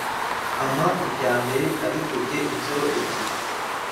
Ampa ibya mbere abikubye incuro ebyiri